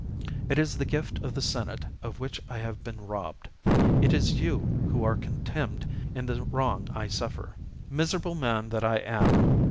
It is the gift of the Senate of which I have been robbed ; it is you who are contemned in the wrong I suffer. " Miserable man that I am